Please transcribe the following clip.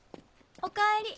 おかえり。